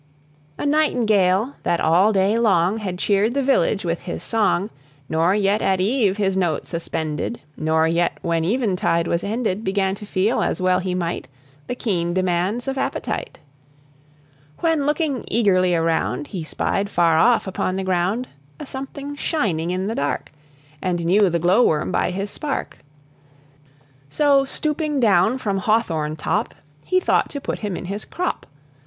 A nightingale, that all day long Had cheered the village with his song, Nor yet at eve his note suspended, Nor yet when eventide was ended, Began to feel, as well he might, The keen demands of appetite; When, looking eagerly around, He spied far off, upon the ground, A something shining in the dark, And knew the glow worm by his spark; So, stooping down from hawthorn top, He thought to put him in his crop.